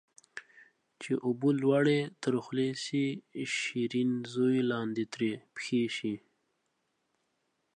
چي اوبه لوړي تر خولې سي ، شيرين زوى لاندي تر پښي سي